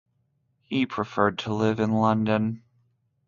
He preferred to live in London.